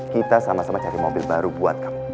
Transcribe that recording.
kita sama sama cari mobil baru buat kamu